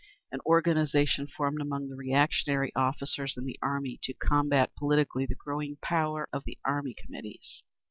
_ An organisation formed among the reactionary officers in the army to combat politically the growing power of the Army Committees.